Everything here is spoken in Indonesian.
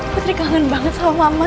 putri kangen banget sama mama